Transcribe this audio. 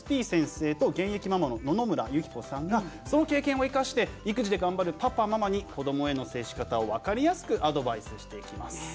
先生と現役ママの野々村友紀子さんがその経験を生かして育児で頑張るパパとママに子どもへの接し方を分かりやすくアドバイスしていきます。